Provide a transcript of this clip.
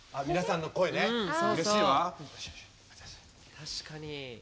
確かに。